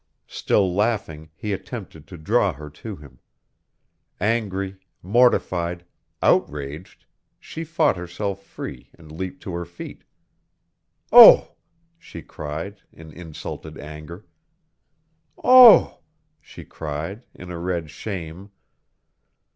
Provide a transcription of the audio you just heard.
Still laughing, he attempted to draw her to him. Angry, mortified, outraged, she fought herself free and leaped to her feet. "Oh!" she cried, in insulted anger. "Oh!" she cried, in a red shame.